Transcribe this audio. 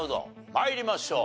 参りましょう。